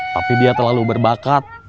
tapi dia terlalu berbakat